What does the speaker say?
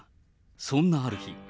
そんなある日。